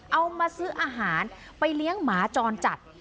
เอามาซื้ออาหารไปเลี้ยงหมาจรจัด